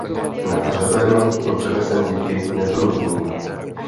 Na hřeben byl přenesen díky nedorozumění.